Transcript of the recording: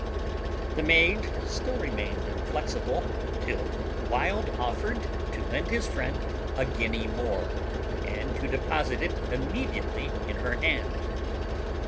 The maid still remained inflexible, till Wild offered to lend his friend a guinea more, and to deposit it immediately in her hands.